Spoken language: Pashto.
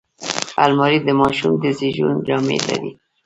الماري د ماشوم د زیږون جامې لري